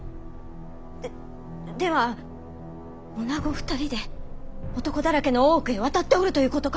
ででは女２人で男だらけの大奥へ渡っておるということか。